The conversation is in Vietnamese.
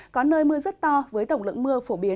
có nơi mưa rất to với tổng lượng mưa phổ biến